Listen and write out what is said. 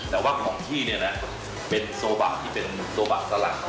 แต่ว่าของที่เนี่ยรักเป็นโซบาที่เป็นโซบาตาหลัง